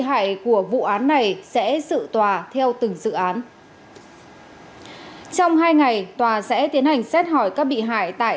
hại của vụ án này sẽ dự tòa theo từng dự án trong hai ngày tòa sẽ tiến hành xét hỏi các bị hại tại tám